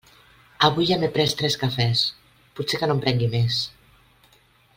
Avui ja m'he pres tres cafès, potser que no en prengui més.